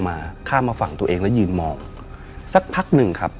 มาข้ามมาฝั่งตัวเองแล้วยืนมองสักพักหนึ่งครับ